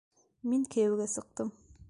Мин кейәүгә сыҡтым!